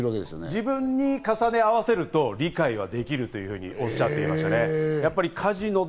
自分に重ね合わせると理解できるとおっしゃっていますね。